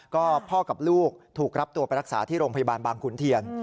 ก็พ่อกับลูกถูกรับตัวไปรักษาที่โรงพยาบาลบางขุนเทียน